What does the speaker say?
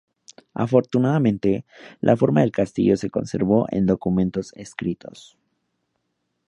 Afortunadamente, la forma del castillo se conservó en documentos escritos.